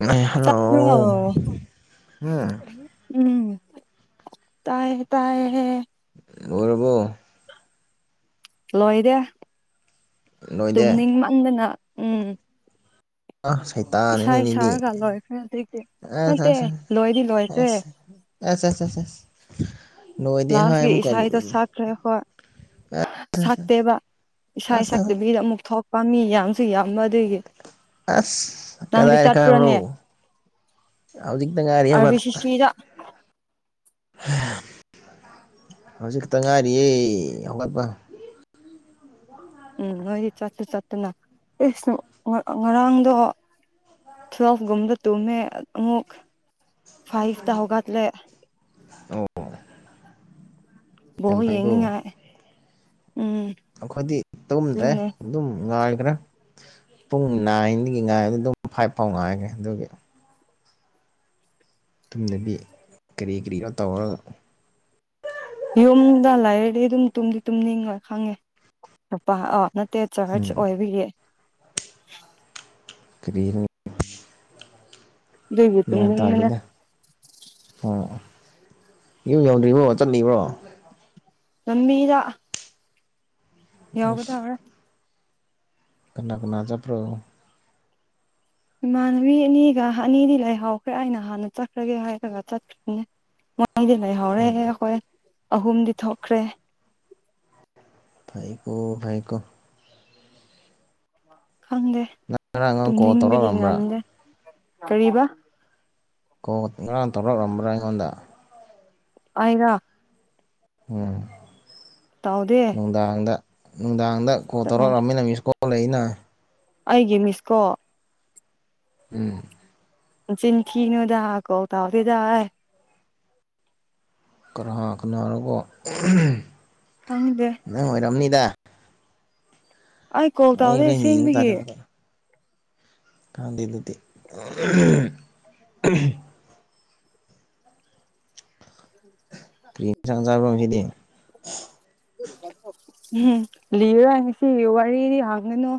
ꯑꯦ hello ꯎꯝ ꯎꯝ ꯇꯏꯌꯦ ꯇꯥꯏꯌꯦ ꯂꯣꯏꯔꯕꯣ ꯂꯣꯏꯔꯦ ꯂꯣꯏꯗꯦ ꯇꯨꯝꯅꯤꯡ ꯃꯪꯗꯅ ꯎꯝ ꯑꯥ ꯏꯁꯥ ꯁꯩꯇꯥꯅꯤꯅꯦꯅꯦꯗꯤ ꯁꯥꯔꯒ ꯂꯣꯏꯈ꯭ꯔꯦ ꯍꯧꯖꯤꯛꯇꯤ ꯑꯥ ꯅꯠꯇꯦ ꯑꯁꯁꯁ ꯂꯣꯏꯗꯤ ꯂꯣꯏꯈ꯭ꯔꯦ ꯑꯦꯁ ꯅꯣꯏꯗꯤ ꯍꯨꯝ ꯂꯥꯁꯀꯤ ꯑꯀꯨꯛ ꯏꯁꯥꯗꯣ ꯁꯛꯈ꯭ꯔꯦ ꯍꯣꯏ ꯁꯛꯇꯦꯕ ꯏꯁꯥ ꯑꯁ ꯁꯛꯇꯕꯤꯗ ꯑꯃꯨꯛ ꯊꯣꯛꯄꯝ ꯃꯤ ꯌꯥꯝ ꯁꯤ ꯌꯥꯝꯃꯗꯤ ꯑꯁ ꯅꯪꯗꯤ ꯀꯗꯥꯏꯗ ꯆꯠꯄ꯭ꯔꯥꯅꯦ ꯀꯥꯕ꯭ꯔꯣ ꯍꯧꯖꯤꯛꯇ ꯉꯥꯏꯔꯤꯌꯦ ꯍꯥ ꯍꯧꯖꯤꯛ ꯈꯛꯇ ꯉꯥꯏꯔꯤꯌꯦ ꯍꯧꯒꯠꯄ ꯎꯝ ꯅꯣꯏꯗꯤ ꯆꯠꯇꯤ ꯆꯠꯇꯅ ꯏꯁ ꯉꯔꯥꯡꯗꯣ ꯇꯨꯋꯦꯜꯚ ꯒꯨꯝꯗ ꯇꯨꯡꯃꯦ ꯑꯥ ꯑꯃꯨꯛ ꯐꯥꯏꯚꯇ ꯍꯧꯒꯠꯂꯦ ꯑꯣ ꯕꯣ ꯌꯥꯝ ꯐꯩꯀꯣ ꯌꯦꯅꯤꯡꯉꯥꯏ ꯑꯩꯈꯣꯏꯗꯤ ꯇꯨꯝꯗ꯭ꯔꯦ ꯑꯗꯨꯅꯦ ꯑꯗꯨꯝ ꯉꯥꯏ ꯈꯔ ꯄꯨꯡ ꯅꯥꯏꯟꯗꯒꯤ ꯉꯥꯏ ꯕꯗꯨꯝ ꯐꯥꯏꯚ ꯐꯥꯎ ꯉꯥꯏꯒꯦ ꯑꯗꯨꯒꯤ ꯇꯨꯝꯗꯕꯤ ꯀꯔꯤ ꯀꯔꯤꯔꯣ ꯇꯧꯔꯒ ꯌꯨꯝꯗ ꯂꯩꯔꯗꯤ ꯑꯗꯨꯝ ꯇꯨꯝꯗꯤ ꯇꯨꯝꯅꯤꯡꯉꯣꯏ ꯈꯪꯉꯦ ꯂꯨꯄꯥ ꯑꯣ ꯅꯠ ꯇꯦꯠ ꯆꯍꯩꯁ ꯎꯝ ꯑꯣꯏꯕꯒꯤ ꯀꯔꯤꯅꯣ ꯑꯗꯨꯒꯤ ꯒ꯭ꯌꯥꯟ ꯇꯨꯝꯅꯤꯡꯕꯅ ꯇꯥꯗꯦꯗ ꯍꯥ ꯌꯨꯝ ꯌꯧꯗ꯭ꯔꯤꯕ꯭ꯔꯣ ꯆꯠꯂꯤꯕ꯭ꯔꯣ ꯂꯝꯕꯤꯗ ꯑꯁ ꯌꯥꯎꯒꯗꯧꯔꯦ ꯀꯅꯥ ꯀꯅꯥ ꯆꯠꯄ꯭ꯔꯣ ꯏꯃꯥꯟꯅꯕꯤ ꯑꯅꯤꯒ ꯑꯅꯤꯗꯤ ꯂꯩꯥꯍꯥꯎꯈ꯭ꯔꯦ ꯑꯩꯅ ꯍꯥꯟꯅ ꯆꯠꯈ꯭ꯔꯒꯦ ꯍꯥꯏꯔꯒ ꯆꯠꯇ꯭ꯔꯤꯌꯦ [inaudible] ꯑꯩꯗꯤ ꯂꯩꯍꯧꯔꯦꯍꯦ ꯑꯈꯣꯏ ꯑꯍꯨꯝꯗꯤ ꯊꯣꯛꯈ꯭ꯔꯦ ꯐꯩꯌꯦꯀꯣ ꯐꯩꯌꯦꯀꯣ ꯈꯪꯗꯦ ꯅꯪ ꯉꯔꯥꯡ ꯅꯪ ꯀꯣꯜ ꯇꯨꯝꯅꯤꯡꯕꯒꯤ ꯇꯧꯔꯛꯔꯝꯕ꯭ꯔꯥ ꯉꯝꯗꯦ ꯀꯔꯤꯕ ꯀꯣꯟ ꯉꯔꯥꯡ ꯇꯧꯔꯛꯂꯝꯕ꯭ꯔꯥ ꯑꯩꯉꯣꯟꯗ ꯑꯩꯔꯥ ꯎꯝ ꯇꯧꯗꯦ ꯅꯨꯡꯗꯥꯡꯗ ꯅꯨꯡꯗꯥꯡꯗ ꯀꯣꯟ ꯇꯧꯔꯛꯂꯝꯃꯤꯅ ꯃꯤꯁꯀꯣꯜ ꯑꯣ ꯂꯩꯅꯥ ꯑꯩꯒꯤ ꯃꯤꯁꯀꯣ ꯎꯝ ꯅꯆꯤꯟꯊꯤꯅꯨꯗ ꯀꯣꯜ ꯇꯧꯗꯦꯗ ꯑꯥꯏ ꯀꯅꯥ ꯀꯅꯥꯔꯀꯣ ꯈꯪꯗꯦ ꯅꯪ ꯑꯣꯏꯔꯝꯅꯤꯗ ꯑꯩ ꯀꯣꯜ ꯇꯧꯗꯦ ꯑꯁꯦꯡꯕꯒꯤ ꯈꯪꯗꯦꯑꯗꯨꯗꯤ ꯀ꯭ꯔꯤ ꯏꯟꯁꯥꯡ ꯆꯥꯕ꯭ꯔꯣ ꯉꯁꯤꯗꯤ [unintelligible] ꯎꯝꯍꯨꯝ ꯂꯤꯔꯔꯣꯏ ꯉꯁꯤꯒꯤ ꯋꯥꯔꯤꯗꯤ ꯍꯪꯒꯅꯨ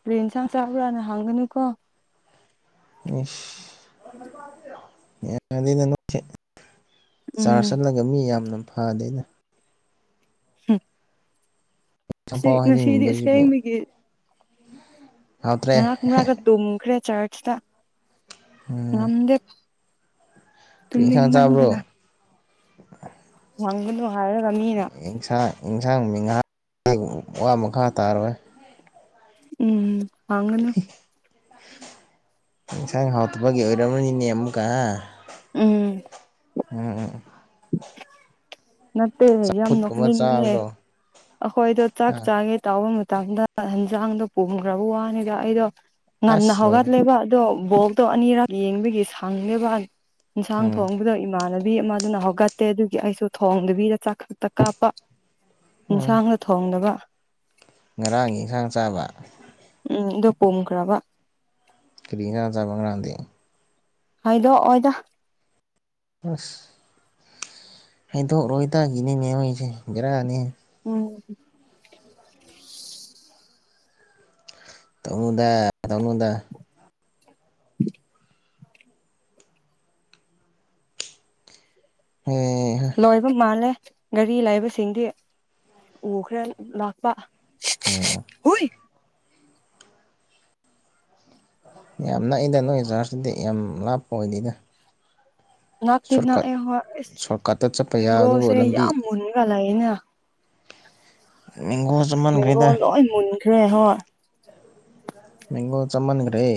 ꯀꯔꯤ ꯏꯟꯁꯥꯡ ꯆꯥꯕ꯭ꯔꯥꯅ ꯍꯪꯒꯅꯨꯀꯣ ꯑꯁ ꯍꯦꯟꯃꯜꯂꯦꯗ ꯅꯣꯢꯗꯤ ꯎꯝ ꯆꯥꯔꯁ ꯆꯠꯂꯒ ꯃꯤ ꯌꯥꯝꯅ ꯐꯅꯤꯗ ꯍꯨ ꯁꯤ ꯆꯝꯐꯥꯎ ꯉꯁꯤꯗꯤ ꯑꯁ ꯍꯥꯏꯅꯤꯡꯕꯁꯤꯕꯨ ꯍꯌꯦꯡꯗꯒꯤ ꯍꯥꯎꯇ꯭ꯔꯦ ꯃꯔꯛ ꯃꯔꯛꯇ ꯇꯨꯝꯈ꯭ꯔꯦ ꯆꯥꯔꯆꯇ ꯉꯝꯗꯦ ꯀ꯭ꯔꯤ ꯇꯨꯝꯅꯤꯡ ꯏꯟꯁꯥꯡ ꯆꯥꯕ꯭ꯔꯣ ꯃꯟꯗꯅ [inaudible] ꯍꯪꯒꯅꯨ ꯍꯥꯏꯔꯒ ꯃꯤꯅ ꯌꯦꯟꯁꯥꯡꯗꯤ ꯉꯥ ꯋꯥ ꯃꯈꯥ ꯇꯥꯔꯣꯏ ꯎꯝ ꯍꯥꯡꯒꯅꯨ ꯏꯟꯖꯥꯡ ꯍꯥꯎꯇꯕꯒꯤ ꯑꯣꯏꯔꯝꯃꯅꯤꯅꯦ ꯑꯃꯨꯛꯀ ꯎꯝ ꯎꯝꯎꯝ ꯅꯠꯇꯦ ꯌꯥꯝ ꯐꯨꯠꯀꯨꯝꯕ ꯅꯣꯛꯅꯤꯡꯕꯅꯦ ꯆꯥꯕꯗꯣ ꯑꯩꯈꯣꯏꯗꯣ ꯆꯥꯛ ꯑ ꯆꯥꯡꯒꯦ ꯇꯥꯎꯕ ꯃꯇꯝ ꯃꯇꯝꯗ ꯍꯤꯡꯖꯥꯡꯗꯣ ꯄꯨꯝꯈ꯭ꯔꯕ ꯋꯥꯅꯤꯗ ꯑꯩꯗꯣ ꯉꯟꯅ ꯑꯁ ꯂꯣꯏꯔꯦ ꯍꯧꯒꯠꯂꯦꯕ ꯑꯗꯣ ꯕꯣꯜꯇꯣ ꯑꯅꯤꯔꯛ ꯌꯦꯡꯕꯒꯤ ꯁꯪꯉꯦꯕ ꯏꯟꯁꯥꯡ ꯎꯝ ꯊꯣꯡꯕꯗꯣ ꯏꯃꯥꯟꯅ ꯕꯤ ꯑꯃꯗꯨꯅ ꯍꯧꯒꯠꯇꯦ ꯑꯗꯨꯒꯤ ꯑꯩꯁꯨ ꯊꯣꯡꯗꯕꯤꯗ ꯆꯥꯛ ꯈꯛꯇ ꯀꯥꯞꯄ ꯎꯝ ꯏꯟꯁꯥꯡꯅ ꯊꯣꯡꯗꯕ ꯉꯔꯥꯡꯒꯤ ꯏꯟꯁꯥꯡ ꯆꯥꯕ ꯎꯝ ꯑꯗꯨꯣ ꯄꯨꯝꯈ꯭ꯔꯕ ꯀꯔꯤ ꯏꯟꯁꯥꯡ ꯆꯥꯕ꯭ꯔꯥ ꯉ꯭ꯔꯥꯡꯗꯤ ꯍꯥꯗꯣꯛ ꯑꯣꯏꯗ ꯑꯁ ꯍꯩꯗꯣꯛꯔꯣꯏꯇꯥ ꯒꯤꯅꯤ ꯃꯌꯣꯡꯒꯤꯁꯦ ꯒꯔꯥꯅꯦ ꯎꯝ ꯇꯧꯅꯨꯗ ꯇꯧꯅꯨꯗ ꯍꯦ ꯍꯥ ꯂꯣꯏꯕ ꯃꯥꯜꯂꯦ ꯒꯥꯔꯤ ꯂꯩꯕꯁꯤꯡꯗꯤ ꯎꯈ꯭ꯔꯦ ꯂꯥꯛꯄ ꯑꯣ ꯍꯨꯏ ꯌꯥꯝ ꯅꯛꯏꯗ ꯅꯣꯏꯒꯤ ꯆꯥꯔꯖꯇꯨꯗꯤ ꯌꯥꯝ ꯂꯥꯞꯄ ꯑꯣꯏꯗꯦꯗ ꯅꯥꯛꯇꯤ ꯁꯣꯔꯠꯀꯠ ꯅꯛꯑꯦ ꯍꯣꯏ ꯏꯁ ꯁꯣꯔꯠꯀꯠꯇ ꯆꯠꯄ ꯃꯦꯡꯒꯣꯁꯦ ꯌꯥꯕꯗꯨꯕꯨ ꯂꯝꯕꯤ ꯌꯥꯝ ꯃꯨꯟꯒ ꯂꯩꯌꯦꯅ ꯃꯦꯡꯒꯣ ꯃꯦꯡꯒꯣ ꯆꯥꯃꯟꯈ꯭ꯔꯦꯗ ꯂꯣꯏ ꯃꯨꯟꯈ꯭ꯔꯦ ꯍꯣꯏ ꯃꯦꯡꯒꯣ ꯆꯥꯃꯟꯒ꯭ꯔꯦ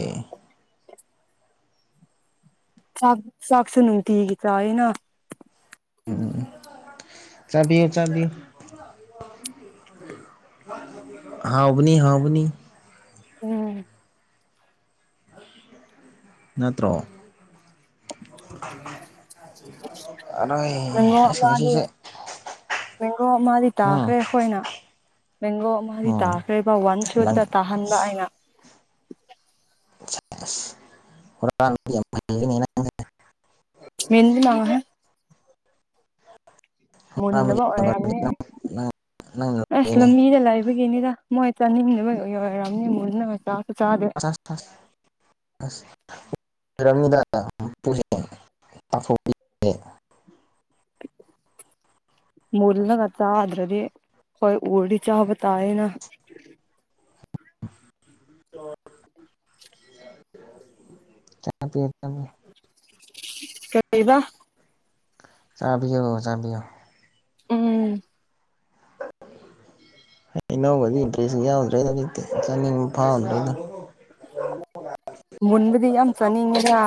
ꯆꯥꯛ ꯆꯥꯛꯁꯨ ꯅꯨꯡꯇꯤꯒꯤ ꯆꯥꯏꯌꯦꯅ ꯎꯝ ꯆꯥꯕꯤꯌꯨ ꯆꯥꯕꯤꯎ ꯑꯍꯥꯎꯕꯅꯤ ꯍꯥꯎꯕꯅꯤ ꯎꯝ ꯅꯠꯇ꯭ꯔꯣ ꯑꯣꯏ ꯃꯦꯡꯒꯣ ꯑꯩꯁ ꯑꯃ ꯉꯁꯤꯁꯦ ꯃꯦꯡꯒꯣ ꯃꯥꯗꯤ ꯎꯝ ꯇꯥꯈ꯭ꯔꯦ ꯑꯩꯈꯣꯏꯅ ꯃꯦꯡꯒꯣ ꯑꯃꯗꯤ ꯎꯝ ꯇꯥꯈ꯭ꯔꯦꯕ ꯋꯥꯟ ꯂꯪ ꯁꯨꯠꯇ ꯇꯥꯍꯟꯕ ꯑꯩꯅ [unintelligible] [unintelligible] ꯃꯨꯟꯗꯕ ꯑꯣꯏꯔꯝꯅꯤ ꯑꯁ ꯂꯝꯕꯤꯗ ꯂꯥꯏꯕꯒꯤꯅꯤꯗ ꯃꯣꯏ ꯆꯥꯅꯤꯡꯗꯕꯩ ꯑꯣꯏꯔꯝꯅꯤ ꯃꯨꯟꯅꯕ ꯆꯥ [unintelligible] [unintelligible] [inaudible] ꯃꯨꯜꯂꯒ ꯆꯥꯗꯨ꯭ꯔꯗꯤ ꯍꯣꯏ ꯎꯔꯗꯤ ꯆꯥꯕ ꯇꯥꯏꯌꯦꯅ ꯑꯣ [unintelligible] ꯀꯩꯕ ꯆꯥꯕꯤꯌꯣ ꯆꯥꯕꯤꯌꯣ ꯎꯝ [unintelligible] ꯍꯩꯅꯧꯒꯖꯦ ꯏꯟꯇ꯭ꯔꯦꯁ ꯌꯥꯎꯗ꯭ꯔꯒꯗꯤ ꯀꯦꯝ ꯆꯅꯤꯡꯕ ꯐꯥꯗ꯭ꯔꯦ [unintelligible] ꯃꯨꯟꯕꯗꯤ ꯌꯥꯝ ꯆꯅꯤꯡꯉꯦꯗ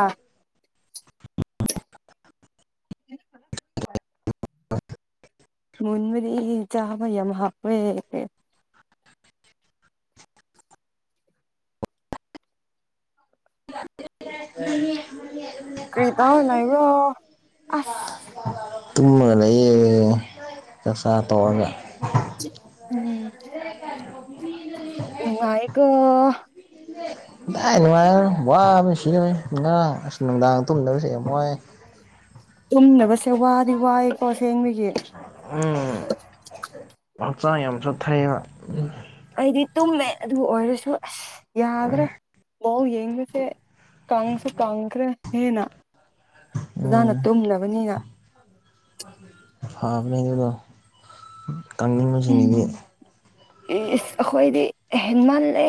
[unintelligible] ꯑ [unintelligible] ꯃꯨꯟꯕꯗꯤ ꯆꯥꯕ ꯌꯥꯃ ꯍꯥꯎꯋꯦ [unintelligible] ꯀꯔꯤ ꯇꯧꯔ ꯂꯩꯕ꯭ꯔꯣ ꯑꯁ ꯇꯨꯝꯃꯒ ꯂꯩꯌꯦ ꯆꯥꯛ ꯆꯥ ꯇꯣꯛꯂꯒ ꯎꯝ ꯂ [unintelligible] ꯀꯥ ꯥꯀꯗꯥꯏ ꯅꯨꯡꯉꯥꯏꯕꯅꯣ ꯋꯥꯕꯅ ꯁꯤꯗꯣꯔꯦ ꯈꯔꯥꯡ ꯑꯁ ꯅꯨꯡꯗꯥꯡ ꯇꯨꯝꯗꯕꯁꯦ ꯌꯥꯝ ꯋꯥꯏꯌꯦ ꯇꯨꯝꯗꯕꯁꯦ ꯋꯥꯗꯤ ꯋꯥꯏꯑꯦꯀꯣ ꯁꯦꯡꯕꯒꯤ ꯎꯝ ꯍꯛꯆꯥꯡ ꯌꯥꯝ ꯆꯣꯛꯊꯩꯕ ꯑꯩꯗꯤ ꯇꯨꯝꯃꯦ ꯑꯗꯨ ꯑꯣꯏꯔꯁꯨ ꯑꯁ ꯌꯥꯗ꯭ꯔꯦ ꯃꯑꯣꯡ ꯌꯦꯡꯕꯁꯦ ꯀꯪꯁꯨꯦ ꯀꯪꯈ꯭ꯔꯦ ꯍꯦꯟꯅ ꯐꯖꯅ ꯇꯨꯝꯗꯕꯅꯤꯅ ꯐꯥꯕꯅꯤ ꯑꯗꯨꯗꯣ ꯀꯪꯅꯤꯡꯕꯁꯤꯡꯒꯤꯗꯤ ꯏꯁ ꯑꯩꯈꯣꯏꯗꯤ ꯍꯦꯟꯃꯜꯂꯦ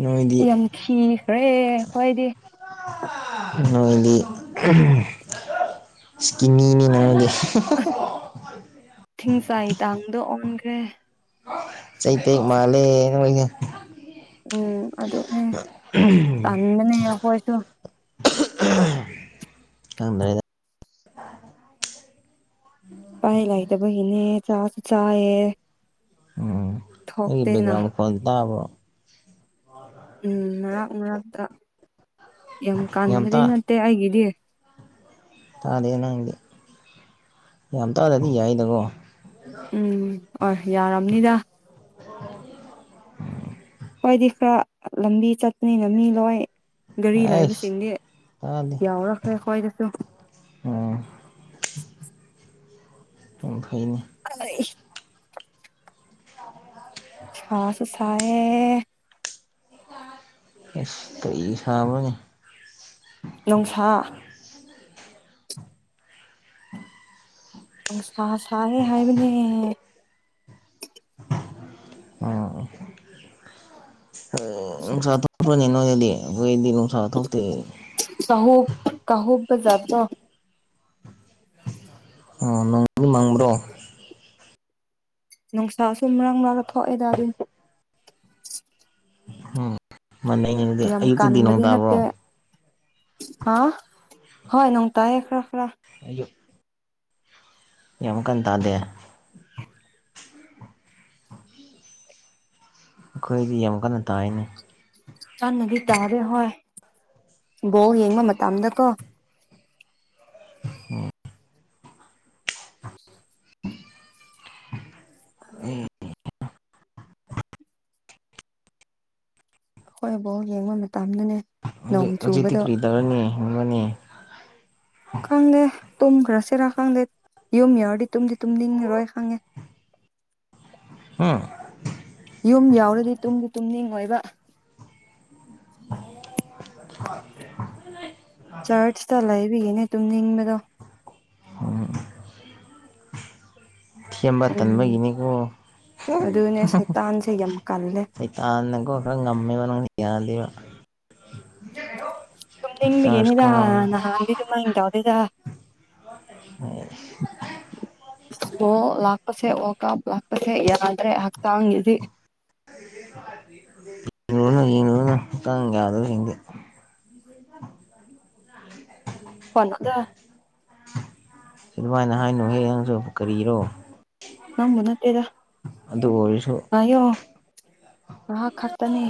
ꯅꯣꯏꯗꯤ ꯌꯥꯝ ꯀꯤꯈ꯭ꯔꯦ ꯍꯣꯏꯗꯤ ꯅꯣꯏꯗꯤ ꯏꯁꯀꯤꯅꯤꯅꯤ ꯅꯣꯏꯗꯤ ꯊꯤꯡꯁꯥꯏ ꯇꯥꯡꯗꯣ ꯑꯣꯟꯈ꯭ꯔꯦ ꯆꯩꯇꯦꯛ ꯃꯥꯂꯦ ꯎꯝ ꯑꯗꯨꯅꯦ ꯇꯟꯕꯅꯦ ꯑꯈꯣꯏꯁꯓꯨ ꯈꯪꯗꯦꯗ ꯎꯄꯥꯏ ꯂꯩꯇꯕꯒꯤꯅꯦ ꯆꯥꯁꯨ ꯆꯥꯏꯌꯦ ꯎꯝ ꯑꯩꯒꯤ ꯊꯣꯛꯇꯦꯅ ꯕꯦꯒ꯭ꯔꯥꯎꯟ ꯃꯈꯣꯟꯗꯣ ꯇꯥꯕ꯭ꯔꯣ ꯎꯝ ꯃꯔꯛ ꯃꯔꯛꯇ ꯌꯥꯝ ꯀꯟꯕꯗꯤ ꯅꯠꯇꯦ ꯑꯩꯒꯤꯗꯤ ꯇꯥꯗꯦ ꯅꯪꯗꯤ ꯌꯥꯝ ꯇꯥꯗꯗꯤ ꯌꯥꯏꯗꯀꯣ ꯎꯝ ꯍꯣꯏ ꯌꯥꯔꯝꯅꯤꯗ ꯎꯝ ꯍꯣꯏꯗꯤ ꯈꯔ ꯂꯝꯕꯤ ꯆꯠꯄꯅꯤꯅ ꯃꯤ ꯂꯣꯏ ꯒꯥꯔꯤ ꯑꯩꯁ ꯂꯥꯏꯕꯁꯤꯡꯗꯤ ꯇꯥꯗꯦ ꯌꯥꯎꯔꯛꯈ꯭ꯔꯦ ꯈꯣꯏꯗꯁꯨ ꯑꯣ [inaudible] ꯌꯥꯝ ꯐꯩꯅꯦ [unintelligible] [unintelligible] ꯁꯥꯁꯨ ꯁꯥꯌꯦ ꯑꯦꯁ ꯀꯩ ꯁꯥꯕꯅꯦ ꯅꯨꯡꯁꯥ [unintelligible] ꯅꯨꯡꯁꯥ ꯁꯥꯌꯦ ꯍꯥꯏꯕꯅꯦ [unintelligible] ꯈꯣꯏꯗꯤ ꯅꯨꯡꯁꯥ ꯊꯣꯛꯇꯦ ꯆꯍꯨꯞ ꯀꯥꯍꯨꯞꯄ ꯖꯥꯠꯇꯣ ꯑꯣ ꯅꯣꯡ ꯑꯗꯨꯝ ꯃꯡꯕ꯭ꯔꯣ ꯅꯨꯡꯁꯥꯁꯨ ꯃꯔꯥꯡ ꯃꯔꯥꯡ ꯊꯣꯛꯑꯦꯗ ꯑꯗꯨꯝ ꯎꯝ ꯃꯅꯩ ꯗꯨꯗꯤ ꯌꯥꯝ ꯑꯌꯨꯛꯇꯗꯤ ꯅꯣꯡ ꯀꯟꯕꯗꯤ ꯇꯥꯕ꯭ꯔꯣ ꯅꯠꯇꯦ ꯍꯥ ꯍꯣꯏ ꯅꯣꯡ ꯇꯥꯏꯌꯦ ꯈꯔ ꯈꯔ ꯌꯣ ꯌꯥꯝ ꯀꯟꯅ ꯇꯥꯗꯦ ꯎꯝ ꯑꯩꯈꯣꯏꯗꯤ ꯌꯥꯝ ꯀꯟꯅ ꯇꯥꯏꯅꯦ ꯀꯟꯅꯗꯤ ꯇꯥꯔꯦ ꯍꯣꯏ ꯕꯣꯜ ꯌꯦꯡꯕ ꯃꯇꯝꯗꯀꯣ ꯎꯝ ꯑꯩꯈꯣꯏ ꯕꯣꯜ ꯌꯦꯡꯕ ꯃꯇꯝꯗꯅꯦ ꯅꯣꯡ ꯍꯧꯖꯤꯛ ꯍꯧꯖꯤꯛꯇꯤ ꯆꯨꯕꯗꯣ ꯀ꯭ꯔꯤ ꯇꯧꯔꯨꯅꯤ [unintelligible] ꯈꯪꯗꯦ ꯇꯨꯝꯈ꯭ꯔꯁꯤꯔ ꯈꯪꯗꯦ ꯌꯨꯝ ꯌꯥꯎꯔꯗꯤ ꯇꯨꯝꯗꯤ ꯇꯨꯝꯅꯤꯡꯉꯔꯣꯏ ꯈꯪꯉꯦ ꯍꯨ ꯌꯨꯝ ꯌꯧꯔꯗꯤ ꯇꯨꯝꯗꯤ ꯇꯨꯝꯅꯤꯡꯉꯣꯏꯕ [unintelligible] ꯆꯔꯆꯇ ꯂꯩꯕꯒꯤꯅꯦ ꯇꯨꯝꯅꯤꯡꯕꯗꯣ [inaudible] ꯊꯦꯝꯕ ꯎꯝ ꯇꯟꯕꯒꯤꯅꯤꯀꯣ ꯑꯗꯨꯅꯦ ꯁꯩꯇꯥꯟꯁꯦ ꯌꯥꯝ ꯀꯜꯂꯦ ꯁꯩꯇꯥꯟꯅꯀꯣ ꯈꯔ ꯉꯝꯃꯦꯕ ꯌꯥꯗꯦꯕ ꯆꯥꯔꯖ ꯇꯨꯝꯅꯤꯡꯕꯒꯤꯅꯤꯗ ꯀꯥꯕꯗꯣ ꯅꯍꯥꯟꯗꯤ ꯗꯨꯃꯥꯏ ꯇꯧꯗꯦꯗ ꯑꯣꯏ ꯕꯣꯜ ꯂꯥꯛꯄꯁꯦ ꯋꯥꯔꯜ ꯀꯞ ꯂꯥꯛꯄꯁꯦ ꯌꯥꯗ꯭ꯔꯦ ꯍꯛꯆꯥꯡꯖꯤꯗꯤ ꯌꯦꯡꯂꯨꯅꯣ ꯌꯡꯂꯨꯅꯣ ꯍꯛꯆꯥꯡ ꯌꯥꯗ꯭ꯔꯗꯤ ꯍꯌꯦꯡꯗꯤ [unintelligible] ꯑꯗꯨꯃꯥꯏꯅ ꯍꯥꯏꯅꯨꯍꯦ ꯅꯪꯁꯨ ꯀꯔꯤꯔꯣ ꯅꯪꯕꯨ ꯅꯠꯇꯦꯗ ꯑꯗꯨ ꯑꯣꯏꯔꯁꯨ ꯑꯌꯣ ꯉꯍꯥꯛ ꯈꯛꯇꯅꯦ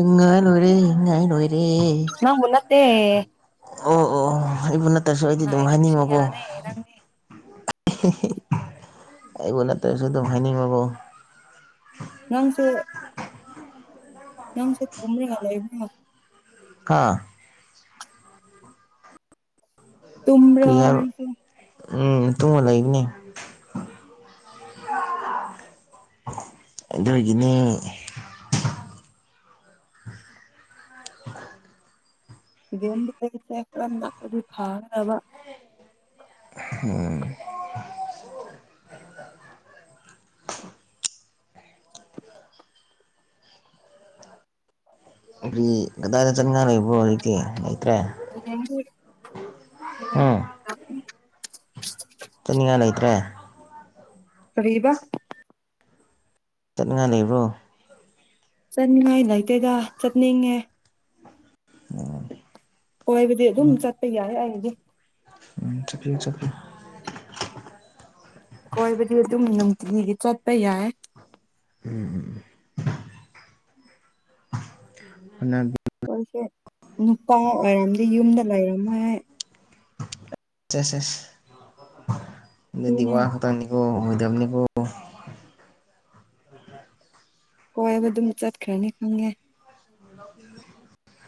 ꯏꯉꯥꯏ ꯂꯣꯏꯔꯦ ꯏꯉꯥꯏ ꯂꯣꯏꯔꯦ ꯇꯦ ꯑꯣ ꯑꯣ ꯏꯕꯨꯅ ꯇꯁꯨ ꯑꯩꯗꯤ ꯑꯗꯨꯝ ꯉꯥꯏꯗ꯭ꯔꯁꯨ ꯍꯥꯏꯅꯤꯡꯉꯣꯀꯣ ꯌꯥꯔꯦ ꯅꯪꯗꯤ ꯑꯩꯕꯨ ꯅꯠꯇꯔ꯭ꯁꯨ ꯑꯗꯨꯝ ꯍꯥꯏꯅꯤꯡꯉꯨꯀꯣ ꯅꯪꯁꯨ ꯅꯪꯁꯨ ꯇꯨꯝꯔꯒ ꯂꯩꯕꯣ ꯍꯥꯥ ꯇꯨꯝꯔꯥ ꯀꯔꯤ ꯍꯥꯏꯕ ꯅꯪꯁꯨ ꯎꯝ ꯇꯨꯝꯔ ꯂꯩꯕꯅꯤ ꯑꯗꯨꯒꯤꯅꯦ [inaudible] [unintelligible] ꯎꯝ ꯕꯤ ꯀꯗꯥꯏꯗ ꯆꯠꯅꯤꯡꯉꯥꯏ ꯂꯩꯕ꯭ꯔꯣ ꯂꯩꯇꯦ [unintelligible] ꯎꯝ [unintelligible] ꯆꯠꯅꯤꯡꯉꯥꯏ ꯂꯩꯇ꯭ꯔꯦ ꯀꯔꯤꯕ ꯆꯠꯅꯤꯡꯉꯥꯏ ꯂꯩꯕ꯭ꯔꯣ ꯆꯠꯅꯤꯡꯉꯥꯏ ꯂꯩꯇꯦꯗ ꯆꯠꯅꯤꯡꯉꯦ ꯑꯣ ꯑꯣꯏꯕꯗꯤ ꯑꯗꯨꯝ ꯆꯠꯄ ꯌꯥꯏ ꯑꯩꯕꯨꯗꯤ ꯎꯝ ꯆꯠꯄꯤꯌꯨ ꯆꯠꯄꯤꯌꯨ ꯀꯣꯏꯕꯗꯤ ꯑꯗꯨꯝ ꯅꯨꯡꯇꯤꯒꯤꯒꯤ ꯆꯠꯄ ꯌꯥꯏ ꯎꯝ ꯎꯝ ꯑꯩꯈꯣꯏꯁꯦ ꯅꯨꯄꯥ ꯑꯣꯏꯔꯝꯗꯤ ꯌꯨꯝꯗ ꯂꯩꯔꯝꯃꯣꯏ ꯑꯩ ꯁꯦꯁꯪ ꯁꯦꯁ ꯑꯗꯨꯗꯤ ꯑꯗꯨꯅꯦ ꯋ ꯈꯇꯅꯤꯀꯣ ꯃꯣꯏꯗꯅꯤꯕꯨ ꯀꯣꯏꯕ ꯑꯗꯨꯝ ꯆꯠꯈ꯭ꯔꯅꯤ ꯈꯪꯉꯦ [inaudible]